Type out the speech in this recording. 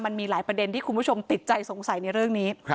มันมีหลายประเด็นที่คุณผู้ชมติดใจสงสัยในเรื่องนี้